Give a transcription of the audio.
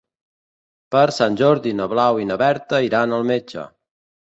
Per Sant Jordi na Blau i na Berta iran al metge.